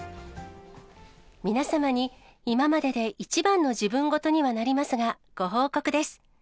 皆様に今までで一番の自分事にはなりますが、ご報告です。